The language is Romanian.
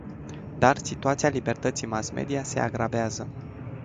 Dar situația libertății mass-media se agravează.